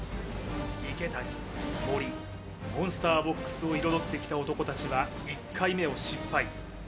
池谷森モンスターボックスを彩ってきた男達は１回目を失敗